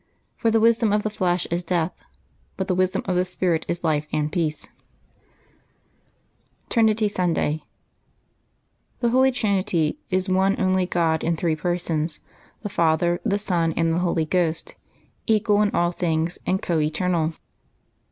For the wisdom of the flesh is death; but the wisdom of the Spirit is life and peace/^ TRINITY SUNDAY. CHE Holy Trinit}^ is one only God in three Persons, the Father, the Son, and the Holy Ghost, equal in all things and co eternal.